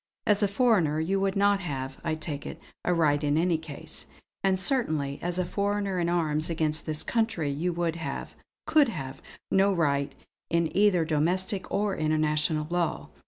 As a foreigner you would not have, I take it, a right in any case. And certainly, as a foreigner in arms against this country, you would have could have no right in either domestic or international law.